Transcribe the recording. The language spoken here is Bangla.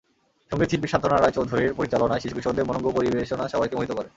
সংগীত শিল্পী সান্ত্বনা রায় চৌধুরীর পরিচালনায় শিশু-কিশোরদের মনোজ্ঞ পরিবেশনা সবাইকে মোহিত করে।